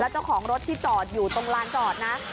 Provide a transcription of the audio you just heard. เจ้าของรถที่จอดอยู่ตรงลานจอดนะ